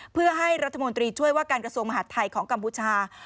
เพื่อให้รัฐมนตรีช่วยว่าการกระทรวงมหาดไทยของกัมพูชา